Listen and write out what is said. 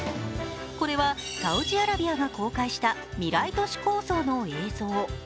これはサウジアラビアが公開した未来都市構想の映像。